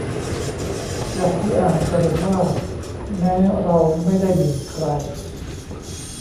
จากที่อ่านจะเห็นว่า แม้เราไม่ได้หมิ่นใคร